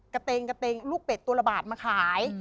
กระเตงกระเตงลูกเป็ดตัวละบาทมาขาย